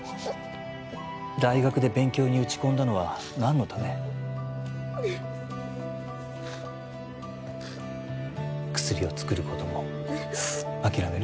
大学で勉強に打ち込んだのは何のため薬を作ることも諦める？